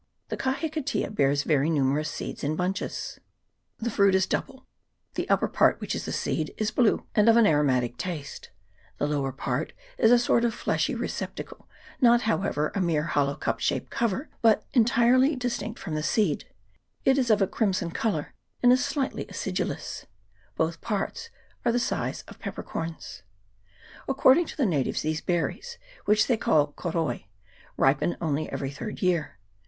The kahikatea bears very numerous seeds in bunches : the fruit is double ; the upper part, which is the seed, is blue, and of an aromatic taste ; the lower part is a sort of fleshy receptacle, not however a mere hollow cup shaped cover, but en tirely distinct from the seed : it is of a crimson colour, and is slightly acidulous : both parts are of the size of pepper corns. According to the natives, these berries, which they call koroi, ripen only every third year.